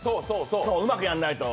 うまくやらないと。